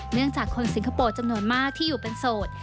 เนื่องจากคนสิงคโปร์จำนวนมากที่อยู่เป็นโสด